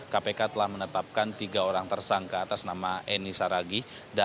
kpk telah menetapkan tiga orang tersangka atas nama eni saragih